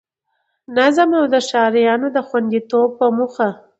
نظم او د ښاريانو د خوندیتوب په موخه